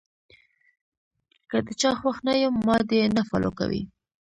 کۀ د چا خوښ نۀ يم ما دې نۀ فالو کوي -